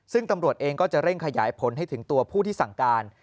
ซึ่งตำรวจเองก็จะเร่งขยายผลให้ถึงตัวผู้ที่สั่งการ